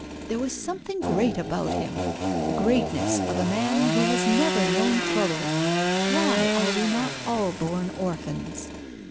There was something great about him, the greatness of a man who has never known trouble. Why are we not all born orphans?"